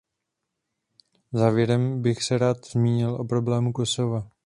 Závěrem bych se rád zmínil o problému Kosova.